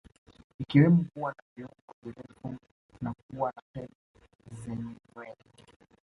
Ikiwemo kuwa na viungo virefu na kuwa na pembe zenye nywele